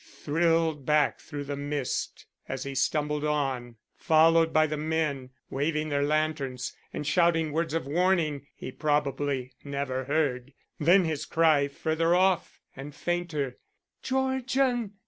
thrilled back through the mist as he stumbled on, followed by the men waving their lanterns and shouting words of warning he probably never heard. Then his cry further off and fainter. "Georgian!